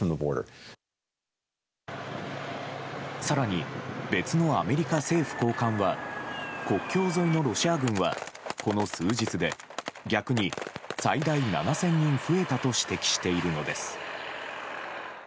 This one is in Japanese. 更に、別のアメリカ政府高官は国境沿いのロシア軍はこの数日で逆に最大７０００人増えたと指摘しているのです。